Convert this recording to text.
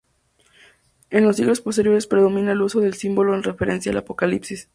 En los siglos posteriores predomina el uso del símbolo en referencia al Apocalipsis.